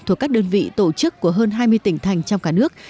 thuộc các đơn vị tổ chức của hơn hai mươi tỉnh thành trong cả nước